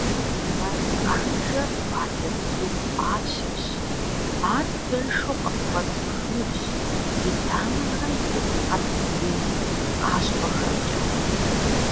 Мэз къанжэр къуалэбзу пӏащэщ, ар тыншу къыпхуэцӏыхунущ и дамэхэм тет къабзий къащхъуэхэмкӏэ.